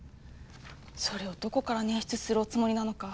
それをどこから捻出するおつもりなのか。